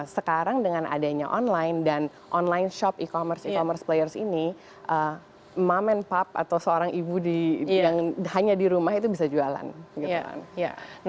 sekarang dengan adanya online dan online shop e commerce e commerce players ini moment pup atau seorang ibu yang hanya di rumah itu bisa jualan gitu kan